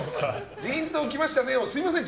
ジーンときましたねをすみません